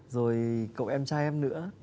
rồi cậu em trai em nữa